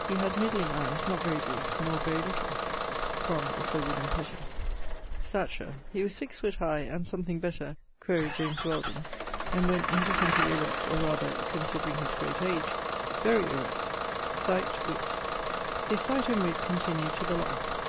He had midling eies, not very big, nor very little (from Sir W P). Stature. He was six foote high, and something better (quaere James Wh), and went indifferently erect, or rather, considering his great age, very erect. Sight; witt. His sight and witt continued to the last.